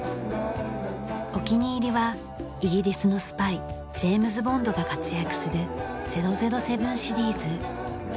お気に入りはイギリスのスパイジェームズ・ボンドが活躍する『００７』シリーズ。